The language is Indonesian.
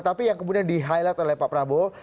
tapi yang kemudian di highlight oleh pak prabowo